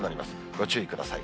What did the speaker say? ご注意ください。